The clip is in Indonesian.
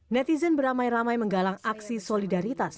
netizen beramai ramai menggalang aksi solidaritas